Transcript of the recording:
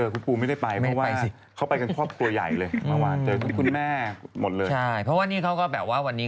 กลัวว่าผมจะต้องไปพูดให้ปากคำกับตำรวจยังไง